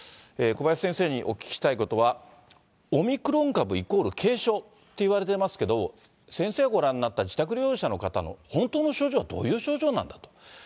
小林先生にお聞きしたいことは、オミクロン株イコール軽症っていわれてますけど、先生がご覧になった自宅療養者の方の本当の症状は、どういう症状なんだと。